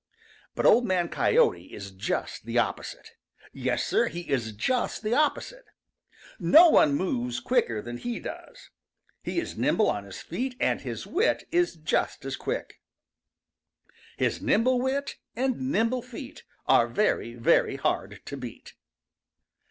But Old Man Coyote is just the opposite. Yes, Sir, he is just the opposite. No one moves quicker than he does. He is nimble on his feet, and his wit is just as quick. His nimble wit and nimble feet Are very, very hard to beat.